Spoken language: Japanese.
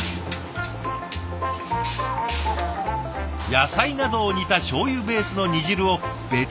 野菜などを煮たしょうゆベースの煮汁を別の料理でも活用。